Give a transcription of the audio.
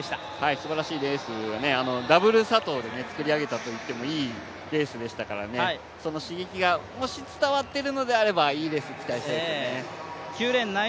すばらしいレース、ダブル佐藤で作り上げたといってもいいぐらいのレースでしたからね、その刺激がもし伝わっているのであればいいレースを期待したいですね。